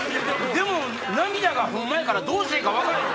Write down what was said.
・でも涙がホンマやからどうしていいか分からへん。